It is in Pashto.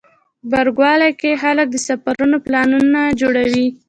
غبرګولی کې خلک د سفرونو پلانونه جوړوي.